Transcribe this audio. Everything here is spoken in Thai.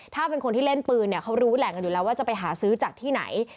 ถ้าเป็นคนที่เล่นปืนเนี่ยเขารู้แหล่งกันอยู่แล้วว่าจะไปหาซื้อจากที่ไหน